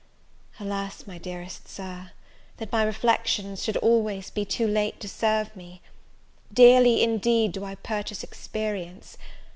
Alas, my dearest Sir, that my reflections should always be too late to serve me! dearly, indeed, do I purchase experience!